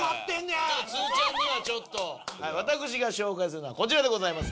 ちょっとつーちゃんにはちょっと私が紹介するのはこちらでございます